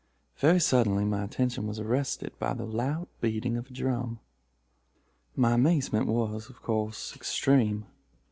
Very suddenly my attention was arrested by the loud beating of a drum. "My amazement was, of course, extreme.